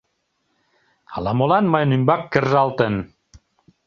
— Ала-молан мыйын ӱмбак кержалтын..